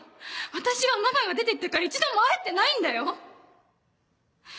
私はママが出てってから一度も会えてないんだよ！